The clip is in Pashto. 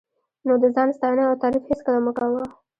نو د ځان ستاینه او تعریف هېڅکله مه کوه.